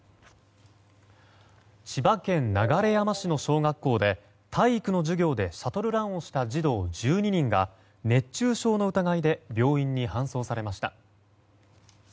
千葉県流山市の小学校で体育の授業でシャトルランをした児童１２人が熱中症の疑いで病院に搬送されました。